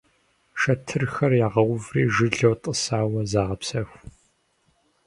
Шэтырхэр ягъэуври жылэу тӀысауэ загъэпсэху.